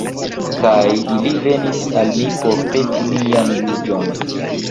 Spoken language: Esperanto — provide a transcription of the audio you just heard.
Kaj ili venis al mi por peti mian juĝon.